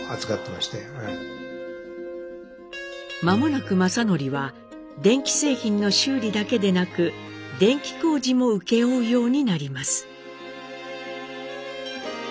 間もなく正徳は電気製品の修理だけでなく電気工事も請け負うようになります。